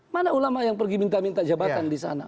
mana ulama yang pergi minta minta jabatan di sana